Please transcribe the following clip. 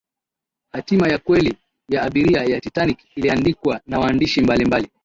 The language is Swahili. hatima ya kweli ya abiria wa titanic iliandikwa na waandishi mbalimbali